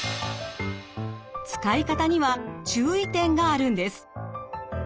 使い方には注意点があるんです。